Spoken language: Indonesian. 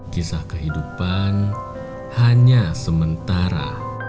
kisah kehidupan hanya sementara